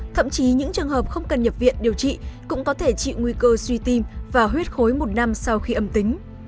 thậm chí những trường hợp không cần nhập viện điều trị cũng có thể chịu nguy cơ suy tim và huyết khối một năm sau khi âm tính